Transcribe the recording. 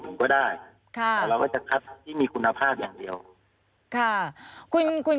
ถูกก็ได้ค่ะเราจะที่มีคุณภาพอย่างเดียวค่ะคุณคุณ